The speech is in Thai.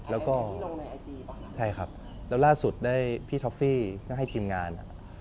แล้วก็ใช่ครับแล้วล่าสุดได้พี่ท็อฟฟี่ก็ให้ทีมงาน